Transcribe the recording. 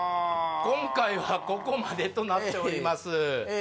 今回はここまでとなっております